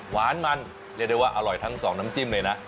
หวานมันเรียกได้ว่าอร่อยทั้งสองน้ำจิ้มเลยนะ